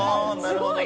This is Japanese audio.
すごい！